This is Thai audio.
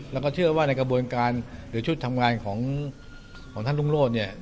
แล้วก็เชื่อว่าในกระบวนการหรือชุดทำงานของท่านรุ่งโรธเนี่ย